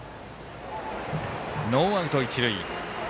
ノーアウト、一塁。